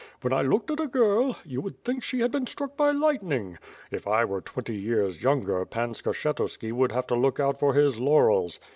When I looked at a girl — ^you would think she had been struck by lightning! If I were twenty years younger, Pan Skshctuski would have to look out for his laurels.